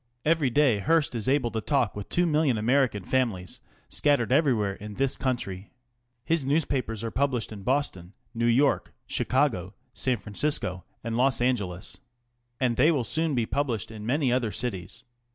Every day Hearst is able to talk with two million American families scattered everywhere in this country. His newspapers arc published in Boston, New York, Chicago, San Francisco and Los Angeles. And they will soon be published in many other cities.